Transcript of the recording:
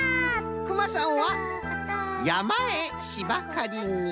クマさんはやまへしばかりに。